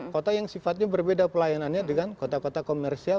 kota yang sifatnya berbeda pelayanannya dengan kota kota komersial